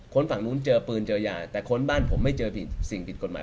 ฝั่งนู้นเจอปืนเจอยาแต่ค้นบ้านผมไม่เจอผิดสิ่งผิดกฎหมาย